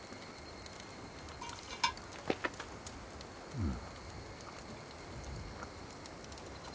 うん。